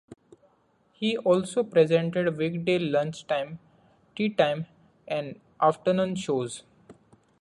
He also presented weekday lunchtime, teatime and afternoon shows.